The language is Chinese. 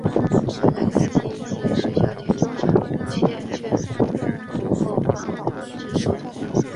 校长开济携学校田洲产物契券赴后方后不知所踪。